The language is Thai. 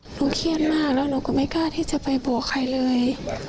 เครียดมากแล้วเราก็ไม่กล้าที่จะไปบอกใครเลย